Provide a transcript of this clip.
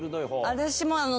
私も。